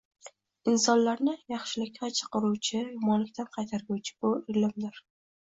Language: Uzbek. Insonlarni yaxshilikg’a chaqirguvchi, yomonlikdan qaytarguvchi bir ilmdur